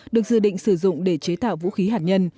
được dự định sử dụng để chế tạo vũ khí hạt nhân